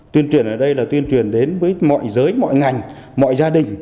tuyên truyền ở đây là tuyên truyền đến với mọi giới mọi ngành mọi gia đình